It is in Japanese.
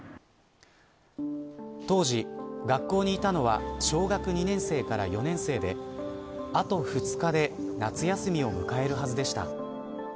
当時、学校にいたのは小学２年生から４年生であと２日で夏休みを迎えるはずでした。